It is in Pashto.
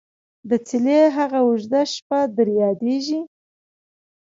دڅيلې هغه او ژده شپه در ياديژي ?